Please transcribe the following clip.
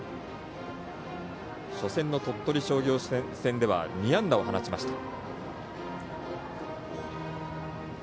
初戦の鳥取商業戦では２安打を放ちました。